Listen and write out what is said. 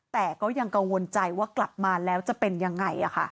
มันกังวลใจว่ากลับมาแล้วจะเป็นยังไง